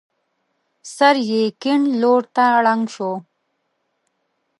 سر يې کيڼ لور ته ړنګ شو.